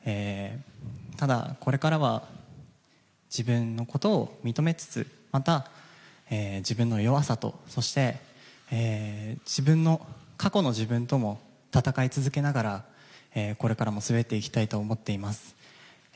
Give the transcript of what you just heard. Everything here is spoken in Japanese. ただ、これからは自分のことを認めつつまた自分の弱さとそして過去の自分とも闘い続けながら、これからも滑っていきたいと思っています。